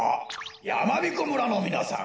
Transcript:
やまびこ村のみなさん